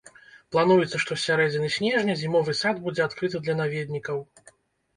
Плануецца, што з сярэдзіны снежня зімовы сад будзе адкрыты для наведнікаў.